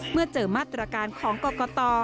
เมื่อเจอมาตรการของกรกต